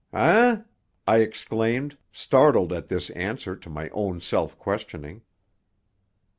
"Eh?" I exclaimed, startled at this answer to my own self questioning.